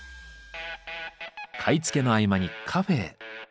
買い付けの合間にカフェへ。